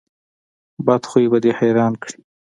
بد خوی به دې حیران کړي.